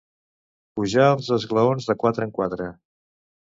Pujar els esglaons de quatre en quatre.